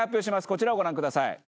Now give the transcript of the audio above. こちらをご覧ください。